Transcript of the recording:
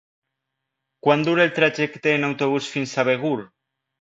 Quant dura el trajecte en autobús fins a Begur?